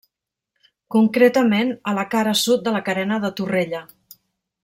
Concretament a la cara sud de la Carena de Torrella.